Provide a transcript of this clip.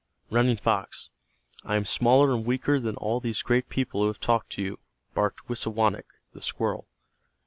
"Running Fox, I am smaller and weaker than all these great people who have talked to you," barked Wisawanik, the squirrel.